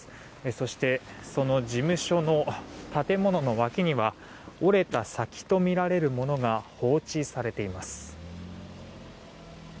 そしてその事務所の建物の脇には折れた先とみられるものが放置されています。